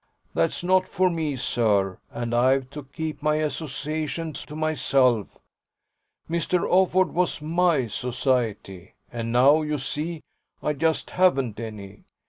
That's not for me, sir, and I've to keep my associations to myself. Mr. Offord was MY society, and now, you see, I just haven't any.